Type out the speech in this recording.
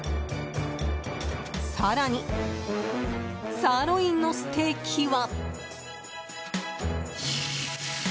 更にサーロインのステーキは。